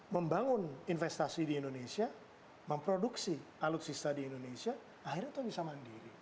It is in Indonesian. membangun investasi di indonesia memproduksi alutsista di indonesia akhirnya bisa mandiri